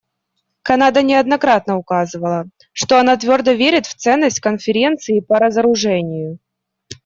Канада неоднократно указывала, что она твердо верит в ценность Конференции по разоружению.